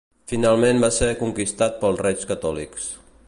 Finalment va ser conquistat pels Reis Catòlics.